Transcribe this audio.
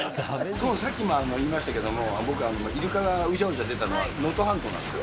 さっきも言いましたけど、僕、イルカがうじゃうじゃ出たのは能登半島なんですよ。